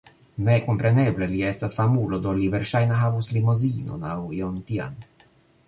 Ne... kompreneble, li estas famulo do li verŝajne havus limozinon aŭ ion tian